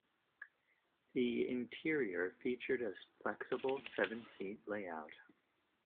The interior featured a flexible seven-seat layout.